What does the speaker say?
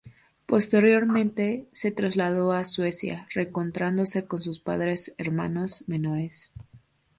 Posteriormente se trasladó a Suecia, reencontrándose con sus padres y hermanos menores.